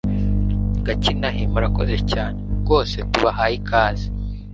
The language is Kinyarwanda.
gakinahe murakoze cyane. rwose tubahaye ikaze